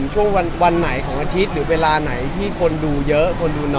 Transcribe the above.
ช่วงวันวันไหนหรือคนดูเยอะ